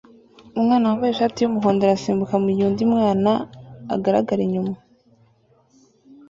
Umwana wambaye ishati yumuhondo arasimbuka mugihe undi mwana agaragara inyuma